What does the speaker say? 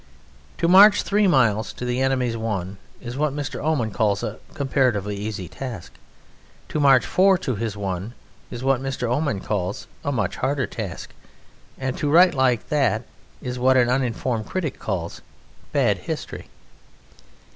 To march three miles to the enemy's one is what Mr. Oman calls "a comparatively easy task"; to march four to his one is what Mr. Oman calls a "much harder" task; and to write like that is what an informed critic calls bad history.